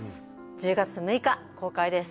１０月６日公開です